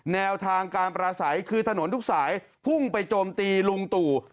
แนวทางการประสัยคือถนนทุกสายพุ่งไปโจมตีลุงตู่